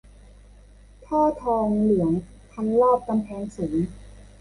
ท่อทองเหลืองพันรอบกำแพงสูง